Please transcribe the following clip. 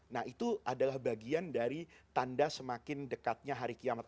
nah itu adalah bagian dari tanda semakin dekatnya hari kiamat